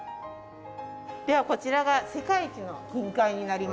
ではこちらが世界一の金塊になりますね。